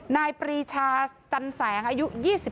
ปรีชาจันแสงอายุ๒๓